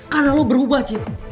karena lo berubah cid